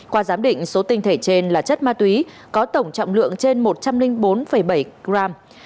qua giám định số tinh thể trên là chất ma túy có tổng trọng lượng trên một trăm linh bốn bảy gram